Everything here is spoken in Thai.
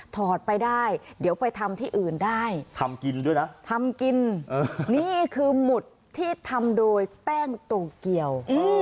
อดไปได้เดี๋ยวไปทำที่อื่นได้ทำกินด้วยนะทำกินนี่คือหมุดที่ทำโดยแป้งโตเกียว